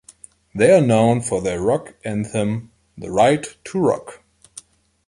They are known for their rock anthem The Right to Rock.